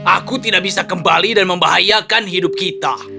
aku tidak bisa kembali dan membahayakan hidup kita